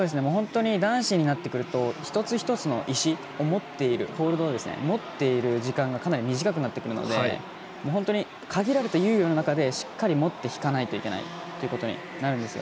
男子になってくると一つ一つのホールドを持っている時間がかなり短くなってくるので限られた猶予の中でしっかり持って引かないといけなくなるんですよ。